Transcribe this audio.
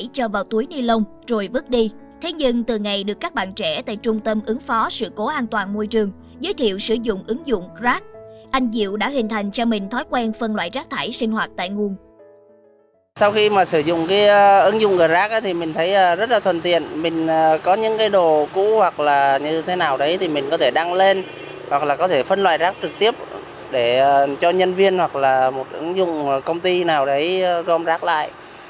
có những cái đồ cũ hoặc là như thế nào đấy thì mình có thể đăng lên hoặc là có thể phân loại rác trực tiếp để cho nhân viên hoặc là một ứng dụng công ty nào đấy gom rác lại